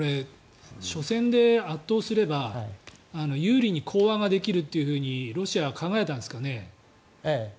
緒戦で圧倒すれば有利に講和ができるとロシアは考えたんですかね。